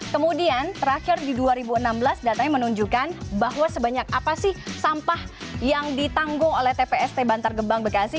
kemudian terakhir di dua ribu enam belas datanya menunjukkan bahwa sebanyak apa sih sampah yang ditanggung oleh tpst bantar gebang bekasi